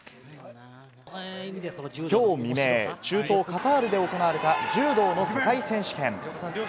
今日未明、中東・カタールで行われた柔道の世界選手権。